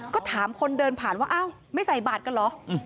ก็ถามคนเดินผ่านว่าอ้าวไม่ใส่บาทกันเหรอ